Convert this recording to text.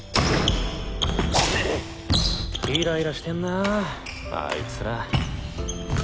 イライラしてんなあいつら。